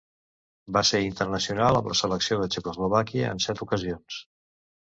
Va ser internacional amb la selecció de Txecoslovàquia en set ocasions.